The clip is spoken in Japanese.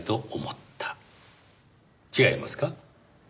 違いますか？